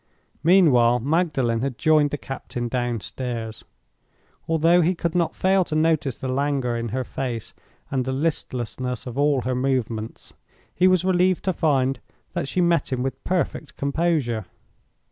Meanwhile, Magdalen had joined the captain downstairs. Although he could not fail to notice the languor in her face and the listlessness of all her movements, he was relieved to find that she met him with perfect composure.